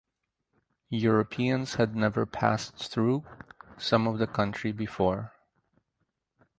Europeans had never passed through some of the country before.